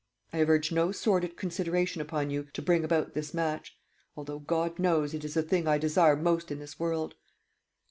I have urged no sordid consideration upon you to bring about this match; although, God knows, it is the thing I desire most in this world."